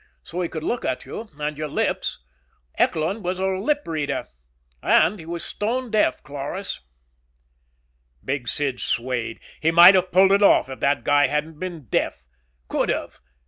So he could look at you and your lips. Eckland was a lip reader. And he was stone deaf, Cloras." Big Sid swayed. He might have pulled it off if that guy hadn't been deaf. Could have.